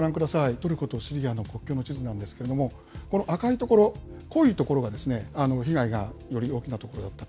トルコとシリアの国境の地図なんですけれども、この赤い所、濃い所が被害がより大きな所。